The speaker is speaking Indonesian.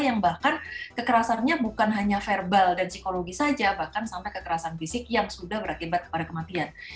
yang bahkan kekerasannya bukan hanya verbal dan psikologis saja bahkan sampai kekerasan fisik yang sudah berakibat kepada kematian